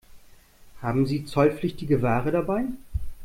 Haben Sie zollpflichtige Ware dabei?